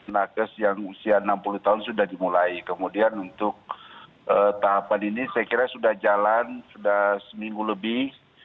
nakes yang usia enam puluh tahun sudah dimulai kemudian untuk tahapan ini saya kira sudah jalan sudah seminggu lebih